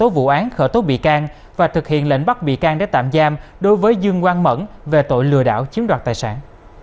tố vụ án khởi tố bị can và thực hiện lệnh bắt bị can để tạm giam đối với dương quang mẫn về tội lừa đảo chiếm đoạt tài sản